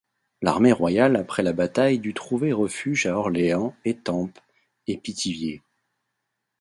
L’armée royale après la bataille dut trouver refuge à Orléans, Étampes et Pithiviers.